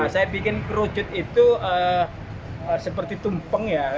saya bikin kerucut itu seperti tumpeng ya